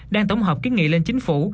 đang tổng hợp ký nghị lên chính phủ